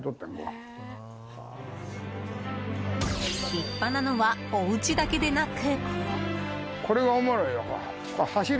立派なのはおうちだけでなく。